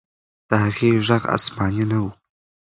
د هغې ږغ آسماني نه و.